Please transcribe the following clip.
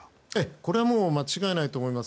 これは間違いないと思います。